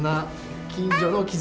近所の絆